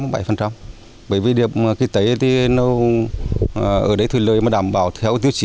bởi vì điểm kỳ tế thì nó ở đấy thủy lợi mà đảm bảo theo tiêu chí